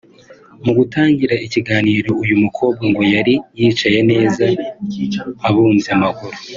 Mu gutangira ikiganiro uyu mukobwa ngo yari yicaye neza abubye amaguru